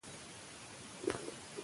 فساد د اقتصاد دښمن دی.